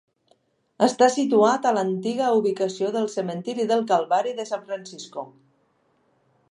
Està situat a l'antiga ubicació del Cementiri del Calvari de San Francisco.